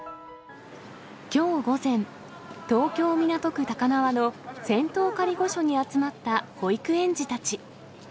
きょう午前、東京・港区高輪の仙洞仮御所に集まった保育園児たち。